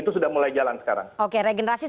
ya dan sudah mulai jalan tapi ini banyak yang bertanya